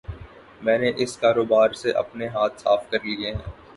میں نے اس کاروبار سے اپنے ہاتھ صاف کر لیئے ہے۔